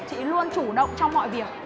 chị luôn chủ động trong mọi việc